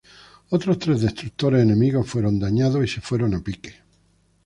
Otros tres destructores enemigos fueron dañados y se fueron a pique.